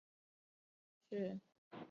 治所在汾阴县。